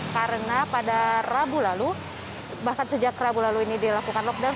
karena pada rabu lalu bahkan sejak rabu lalu ini dilakukan lockdown